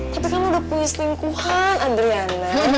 tapi kamu udah punya selingkuhan adriana